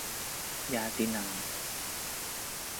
ญาตีนัง